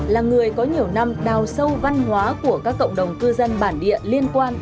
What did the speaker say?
là người có nhiều năm đào sâu văn hóa của các cộng đồng cư dân bản địa liên quan